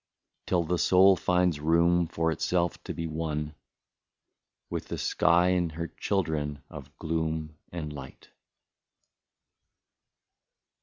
Till the soul finds room for itself to be one With the sky and its children of gloom and light."